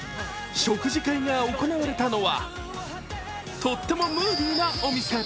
食事会が行われたのはとってもムーディなお店。